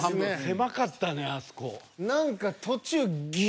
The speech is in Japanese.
狭かったねあそこ。